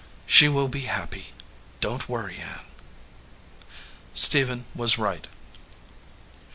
She will be happy. Don t worry, Ann." Stephen was right.